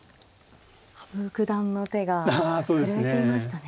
羽生九段の手が震えていましたね。